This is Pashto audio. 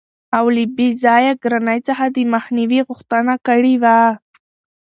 او له بې ځایه ګرانۍ څخه دمخنیوي غوښتنه کړې وه.